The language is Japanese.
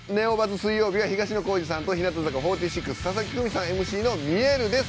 水曜日は東野幸治さんと日向坂４６佐々木久美さんＭＣの「みえる」です。